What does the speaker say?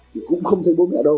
thì cũng không thấy bố với ảnh đâu